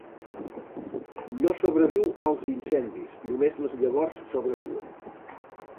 No sobreviu als incendis, només les llavors sobreviuen.